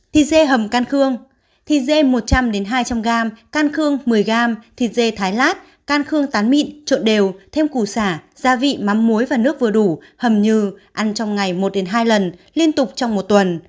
thịt dê hầm can khương thì dê một trăm linh hai trăm linh gram can khương một mươi gram thịt dê thái lát can khương tán mịn trộn đều thêm củ xả gia vị mắm muối và nước vừa đủ hầm như ăn trong ngày một hai lần liên tục trong một tuần